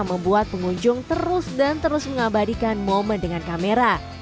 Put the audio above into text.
membuat pengunjung terus dan terus mengabadikan momen dengan kamera